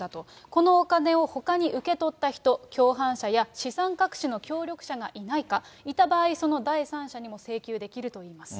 このお金をほかに受け取った人、共犯者や資産隠しの協力者がいないか、いた場合、その第三者にも請求できるといいます。